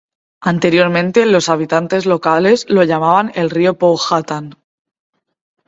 Anteriormente, los habitantes locales lo llamaban el río Powhatan.